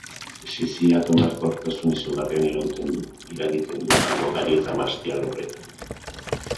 Siziliako emankortasun izugarrian irakiten du, hango gari eta mahasti alorretan.